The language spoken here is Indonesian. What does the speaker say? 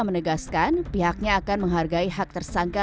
menegaskan pihaknya akan menghargai hak tersangka